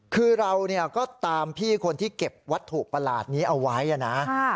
คือเราก็ตามพี่คนที่เก็บวัตถุประหลาดนี้เอาไว้นะ